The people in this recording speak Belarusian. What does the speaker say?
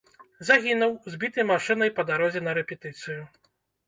Загінуў, збіты машынай па дарозе на рэпетыцыю.